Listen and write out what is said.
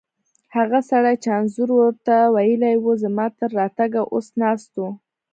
هغه سړی چې انځور ور ته ویلي وو، زما تر راتګه اوسه ناست و.